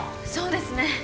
そうですね。